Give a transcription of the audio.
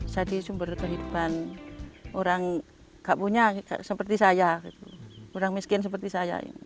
jadi sumber kehidupan orang gak punya seperti saya orang miskin seperti saya